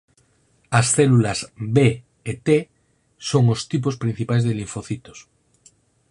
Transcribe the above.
As células B e T son os tipos principais de linfocitos.